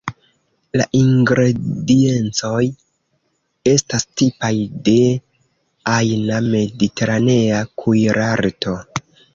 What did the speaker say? La ingrediencoj estas tipaj de ajna mediteranea kuirarto.